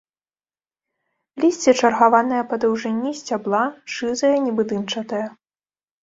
Лісце чаргаванае па даўжыні сцябла, шызае, нібы дымчатае.